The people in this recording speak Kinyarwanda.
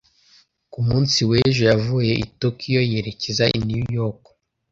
Ku munsi w'ejo yavuye i Tokiyo yerekeza i New York.